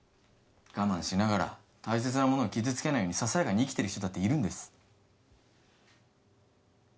我慢しながら大切なものを傷つけないようにささやかに生きてる人だっているんです。